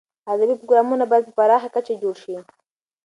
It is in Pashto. ادبي پروګرامونه باید په پراخه کچه جوړ شي.